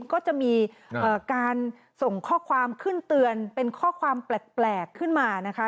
ก็จะมีการส่งข้อความขึ้นเตือนเป็นข้อความแปลกขึ้นมานะคะ